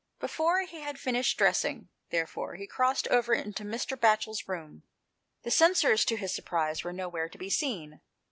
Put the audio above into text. Before he had finished dressing, therefore, he crossed over into Mr. Batchel's room. The censers, to his surprise, were no where to be seen.